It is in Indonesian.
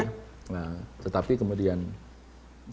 nah tetapi kemudian saya jelaskan bahwa